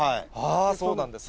そうなんですね。